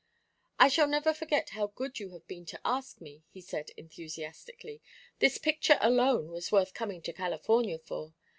"I shall never forget how good you have been to ask me," he said, enthusiastically. "This picture alone was worth coming to California for."